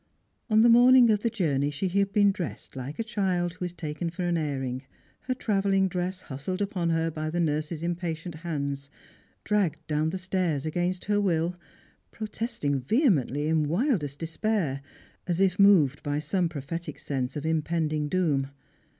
On the morning of the journey she had been dressed Uke a child who is taken for an airing, her travelling dress hustled ujjon her by the nurse's impatient hands, dragged down the stairs against her will — protesting vehemently, in wildest de spair, as if moved by some prophetic sense of impending doom.